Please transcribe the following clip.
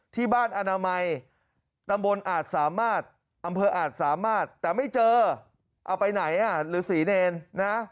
อนามัยตำบลอาจสามารถอำเภออาจสามารถแต่ไม่เจอเอาไปไหนอ่ะหรือศรีเนรนะ